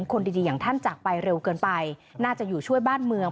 คนดีอย่างท่านจากไปเร็วเกินไปน่าจะอยู่ช่วยบ้านเมือง